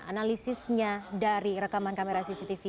analisisnya dari rekaman kamera cctv